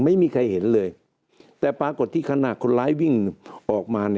ไม่มีใครเห็นเลยแต่ปรากฏที่ขณะคนร้ายวิ่งออกมา